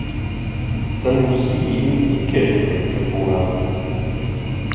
Dann muss sie eben dickere Bretter bohren.